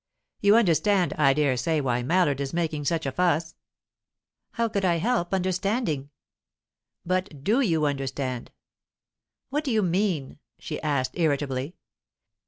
"You understand, I dare say, why Mallard is making such a fuss?" "How could I help understanding?" "But do you understand?" "What do you mean?" she asked irritably.